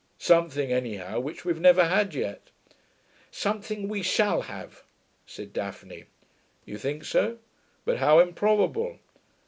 Something, anyhow, which we've never had yet.' 'Something we shall have,' said Daphne. 'You think so? But how improbable!